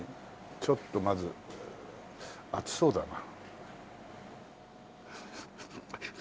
ちょっとまず熱そうだな。